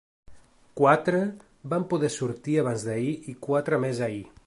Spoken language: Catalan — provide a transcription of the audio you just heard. Quatre van poder sortir abans-d’ahir i quatre més ahir.